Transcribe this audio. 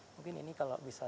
mungkin ini kalau bisa